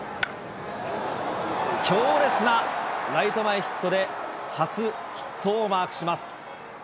強烈なライト前ヒットで、初ヒットをマークします。